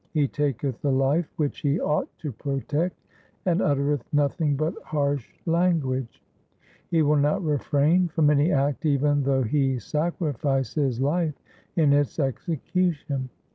He taketh the life which he ought to protect, and utter eth nothing but harsh language. He will not refrain from any act even though he sacrifice his life in its execution.